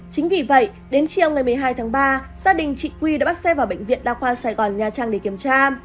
chính vì vậy đến chiều ngày một mươi hai tháng ba gia đình chị quy đã bắt xe vào bệnh viện đa khoa sài gòn nha trang để kiểm tra